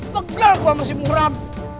begal gue sama si muhram